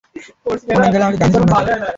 কোন এঙ্গেলে আমাকে গান্ধীজী মনে হয় তোর?